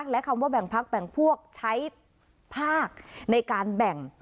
และคำว่าแบ่งพักแบ่งพวกใช้ภาคในการแบ่ง